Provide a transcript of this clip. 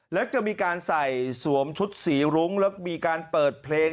แล้วจะมีการใส่สวมชุดสีรุ้งแล้วมีการเปิดเพลง